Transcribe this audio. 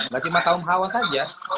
gak cuma kaum hawa saja